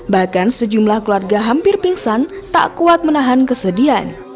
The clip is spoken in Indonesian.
bahkan sejumlah keluarga hampir pingsan tak kuat menahan kesedihan